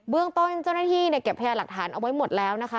เรื่องต้นเจ้าหน้าที่เนี่ยเก็บพยาหลักฐานเอาไว้หมดแล้วนะคะ